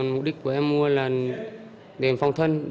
mục đích của em mua là để phòng thân